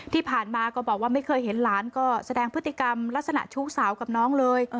ที่ผ่านมาก็บอกว่าไม่เคยเห็นหลานก็แสดงพฤติกรรมลักษณะชู้สาวกับน้องเลย